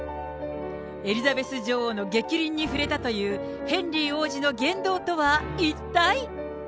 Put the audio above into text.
エリザベス女王の逆鱗に触れたというヘンリー王子の言動とは一体。